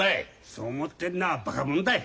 そう思ってんのはバカ者だい。